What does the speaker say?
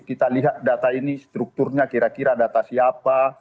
kita lihat data ini strukturnya kira kira data siapa